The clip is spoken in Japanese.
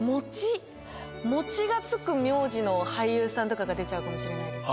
「餅」が付く苗字の俳優さんとかが出ちゃうかもしれないです